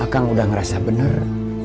kang bahar udah ngerasa bener